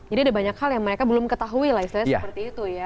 jadi ada banyak hal yang mereka belum ketahui lah istilahnya seperti itu ya